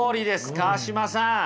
川島さん。